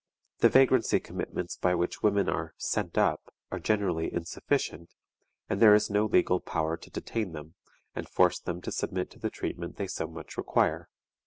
The vagrancy commitments by which women are "sent up" are generally insufficient, and there is no legal power to detain them, and force them to submit to the treatment they so much require.